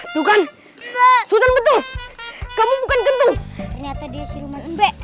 tuh kan sultan betul kamu bukan kentung ternyata dia siruman mbe